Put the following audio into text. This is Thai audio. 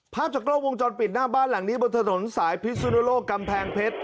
ภาพจากกล้องวงจรปิดหน้าบ้านหลังนี้บนถนนสายพิสุนโลกกำแพงเพชร